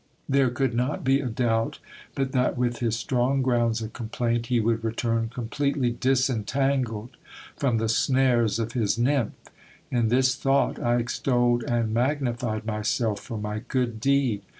There could not be a doubt but that with his strong grounds of complaint, he would return completely disentangled from the snares of his nymph. In this thought I extolled and magnified myself for my good deed.